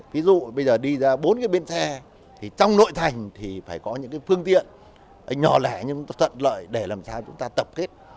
ví dụ bây giờ đi ra bốn cái bến xe thì trong nội thành thì phải có những cái phương tiện nhỏ lẻ nhưng chúng ta thuận lợi để làm sao chúng ta tập kết